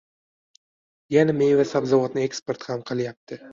yana meva-sabzavotni eksport ham qilyapti